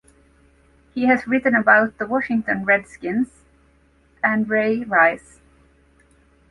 He has written about the Washington Redskins and Ray Rice.